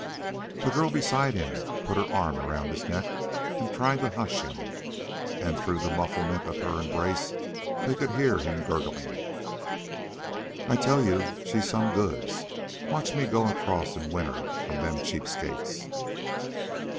The girl beside him put her arm around his neck and tried to hush him, and through the mufflement of her embrace they could hear him gurgling: "I tell you she's some goods. Watch me go across an' win her from them cheap skates."